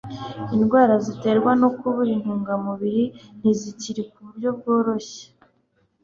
Indwara ziterwa no kubura intungamubiri ntizikira mu buryo bworoshye